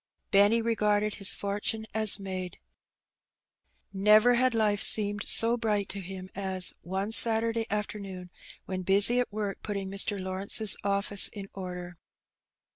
Benny regarded his fortune as made. Never had life seemed so bright to him as, one Saturday afternoon, when busy at work putting Mr. Lawrence's office in order.